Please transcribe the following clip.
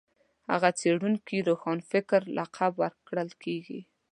هغه څېړونکي روښانفکر لقب ورکول کېږي